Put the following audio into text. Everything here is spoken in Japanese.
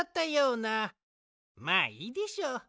まあいいでしょう。